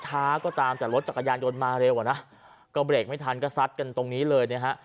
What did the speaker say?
ช้าก็ตามแต่รถจักรยานยนต์มาเร็วอ่ะนะก็เบรกไม่ทันก็ซัดกันตรงนี้เลยนะฮะ